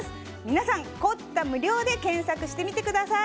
皆さん「コッタ無料」で検索してみてください。